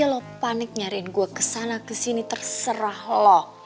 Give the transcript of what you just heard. lo panik nyariin gue kesana kesini terserah lo